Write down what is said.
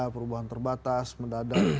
perubahan terbatas mendadak